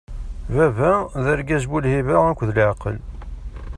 Baba, d argaz bu-lhiba akked laɛqel.